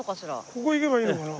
ここ行けばいいのかな？